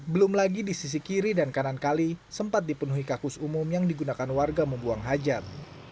belum lagi di sisi kiri dan kanan kali sempat dipenuhi kakus umum yang digunakan warga membuang hajat